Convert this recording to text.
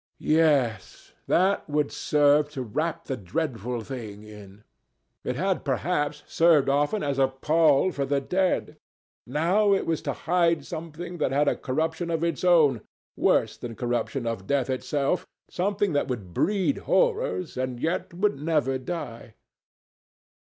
Yes, that would serve to wrap the dreadful thing in. It had perhaps served often as a pall for the dead. Now it was to hide something that had a corruption of its own, worse than the corruption of death itself—something that would breed horrors and yet would never die.